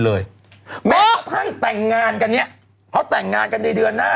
เลยแม้กระทั่งแต่งงานกันเนี้ยเขาแต่งงานกันในเดือนหน้า